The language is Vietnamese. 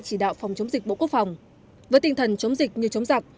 chỉ đạo phòng chống dịch bộ quốc phòng với tinh thần chống dịch như chống giặc